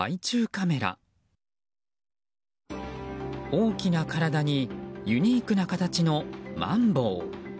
大きな体にユニークな形のマンボウ。